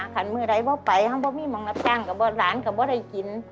ขันเมื่อไหร่ก็ไปครับเพราะว่าไม่มองรับจ้างกับว่าร้านก็ไม่ได้กิน